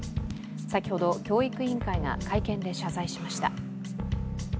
先ほど教育委員会が会見で謝罪しました。